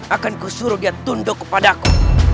akan kusuruh dia tunduk kepada kau